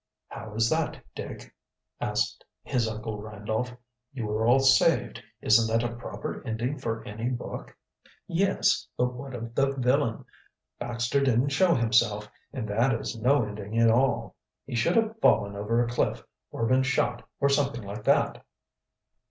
"How is that, Dick?" asked his Uncle Randolph. "You were all saved. Isn't that a proper ending for any book?" "Yes, but what of the villain? Baxter didn't show himself, and that is no ending at all. He should have fallen over a cliff, or been shot, or something like that."